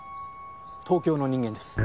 東京の人間です。